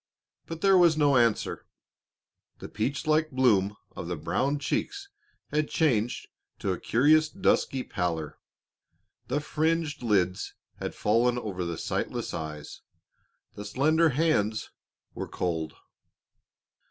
But there was no answer; the peach like bloom of the brown cheeks had changed to a curious dusky pallor, the fringed lids had fallen over the sightless eyes, the slender hands were cold.